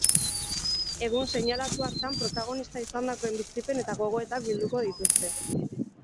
Egun seinalatu hartan protagonista izandakoen bizipen eta gogoetak bilduko dituzte.